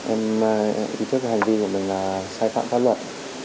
em ý thức hành vi của mình là sai phạm pháp luật